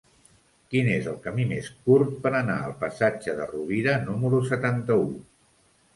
Quin és el camí més curt per anar al passatge de Rovira número setanta-u?